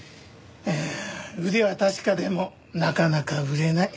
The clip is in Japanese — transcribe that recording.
腕は確かでもなかなか売れない。